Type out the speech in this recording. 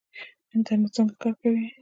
انټرنیټ څنګه کار کوي؟